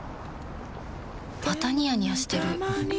またニヤニヤしてるふふ。